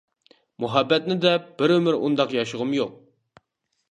مۇھەببەتنى دەپ بىر ئۆمۈر ئۇنداق ياشىغۇم يوق.